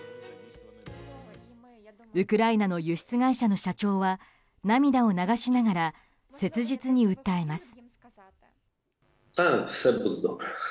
ウクライナの輸出会社の社長は涙を流しながら切実に訴えます。